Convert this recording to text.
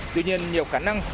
tuy nhiên nhiều khả năng